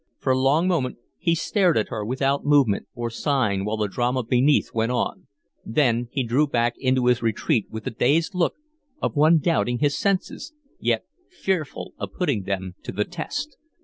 For a long moment he stared at her without movement or sign while the drama beneath went on, then he drew back into his retreat with the dazed look of one doubting his senses, yet fearful of putting them to the test.